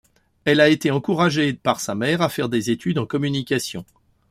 Elle a été encouragée par sa mère à faire des études en communication.